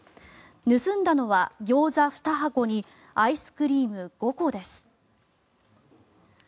盗んだのはギョーザ２箱にアイスクリーム５個です。